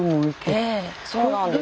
ええそうなんです。